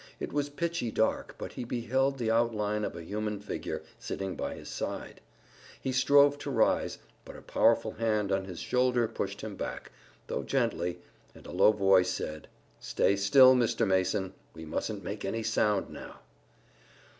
It was pitchy dark, but he beheld the outline of a human figure, sitting by his side. He strove to rise, but a powerful hand on his shoulder pushed him back, though gently, and a low voice said: "Stay still, Mr. Mason. We mustn't make any sound now!"